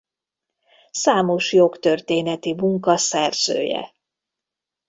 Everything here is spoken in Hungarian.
Számos jogtörténeti munka szerzője.